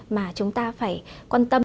mà chúng ta phải quan tâm